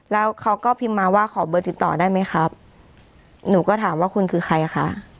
แล้วเขาก็พิมพ์มาว่าขอเบอร์ติดต่อได้ไหมครับหนูก็ถามว่าคุณคือใครคะ